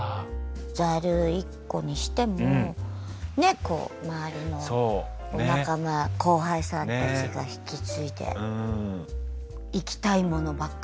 ザル１個にしてもねっこう周りのお仲間後輩さんたちが引き継いでいきたいものばっかりなんできっとね。